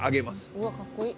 うわっかっこいい。